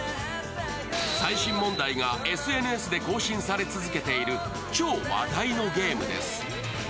最新問題がＳＮＳで更新され続けている超話題のゲームです。